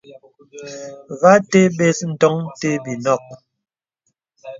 Və atə̀ bəs ndɔŋ té bi nɔk.